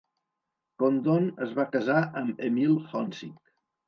Condon es va casar amb Emilie Honzik.